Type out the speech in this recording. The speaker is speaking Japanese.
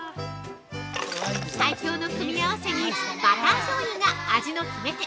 最強の組み合わせに、バターしょうゆが味の決め手！